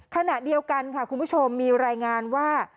ขณะเดียวกันค่ะคุณผู้ชมมีรายงานว่า